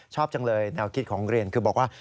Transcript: ชอบจังเลยแนวคิดของเรียนคือบอกว่า